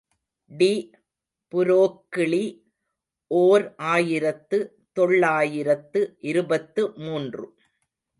D Broglie, ஓர் ஆயிரத்து தொள்ளாயிரத்து இருபத்து மூன்று.